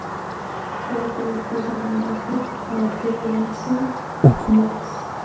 Todo el proyecto es un homenaje a "Terenci Moix".